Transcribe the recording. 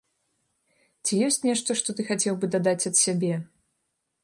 Ці ёсць нешта, што ты хацеў бы дадаць ад сябе?